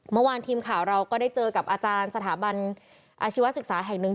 เมื่อวานทีมข่าวเราก็ได้เจอกับอาจารย์สถาบันอาชีวศึกษาแห่งหนึ่ง